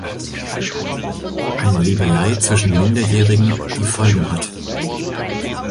Eine Liebelei zwischen Minderjährigen, die Folgen hat.